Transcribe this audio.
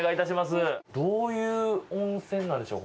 どういう温泉なんでしょう？